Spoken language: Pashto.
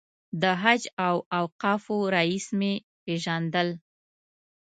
د حج او اوقافو رییس مې پېژندل.